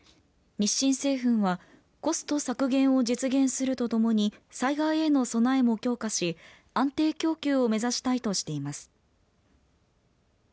日清製粉はコスト削減を実現するとともに災害への備えも強化し安定供給を目指したいとしています。